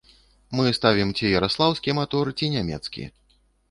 Мы ставім ці яраслаўскі матор, ці нямецкі.